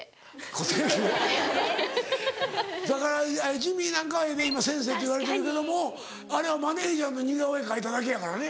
固定給？だからジミーなんかは今先生といわれてるけどもあれはマネジャーの似顔絵描いただけやからね。